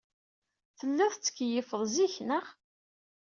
Telliḍ tettkeyyifeḍ zik, naɣ?